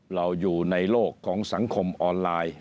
เราอยู่ในโลกของสังคมออนไลน์